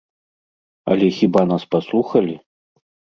Але хіба нас паслухалі?